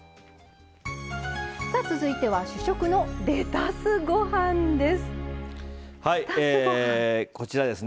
続いては主食のレタスご飯です。